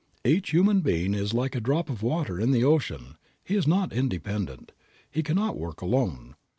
Each human being is like a drop of water in the ocean. He is not independent. He cannot work alone.